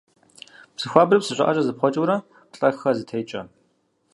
Псы хуабэр псы щӀыӀэкӀэ зэпхъуэкӀыурэ, плӀэ-хэ зытекӀэ.